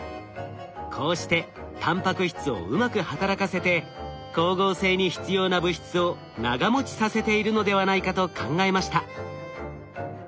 こうしてタンパク質をうまく働かせて光合成に必要な物質を長もちさせているのではないかと考えました。